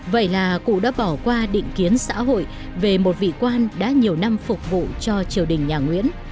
vậy là cụ đã bỏ qua định kiến xã hội về một vị quan đã nhiều năm phục vụ cho triều đình nhà nguyễn